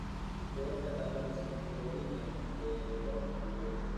Fue enterrado en el Cementerio Woodlawn de El Bronx, Nueva York.